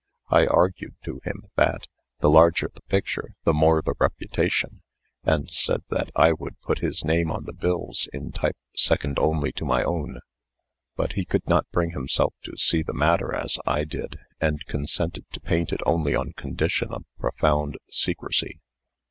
I argued to him, that, the larger the picture, the more the reputation; and said that I would put his name on the bills in type second only to my own. But he could not bring himself to see the matter as I did, and consented to paint it only on condition of profound secrecy.